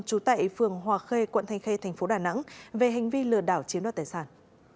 trú tại phường hòa khê quận thanh khê thành phố đà nẵng về hành vi lừa đảo chiếm đoạt tài sản